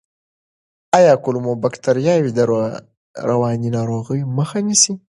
آیا کولمو بکتریاوې د رواني ناروغیو مخه نیسي؟